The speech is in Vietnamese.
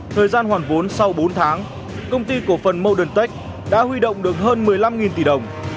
thời gian hoàn vốn sau bốn tháng công ty cổ phần modentech đã huy động được hơn một mươi năm tỷ đồng